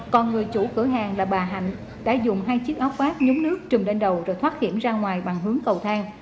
còn người chủ cửa hàng là bà hạnh đã dùng hai chiếc óc phát nhúng nước trùm lên đầu rồi thoát hiểm ra ngoài bằng hướng cầu thang